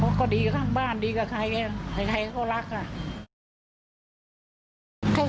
เขาก็ดีกับข้างบ้านดีกับใครเขารักอะ